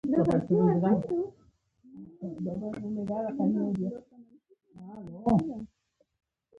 ان پاروګان مې یو له بل سره نژدې کولای نه شول.